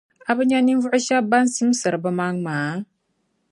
A bi nya ninvuɣu shεba ban simsiri bɛ maŋ’ maa.